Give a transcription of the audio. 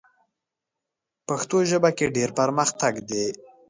پښتو ژبه کې ډېر پرمختګ دی.